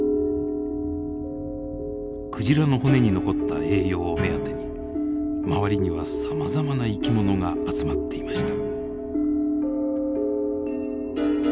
クジラの骨に残った栄養を目当てに周りにはさまざまな生き物が集まっていました。